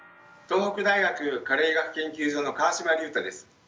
東北大学加齢医学研究所の川島隆太です。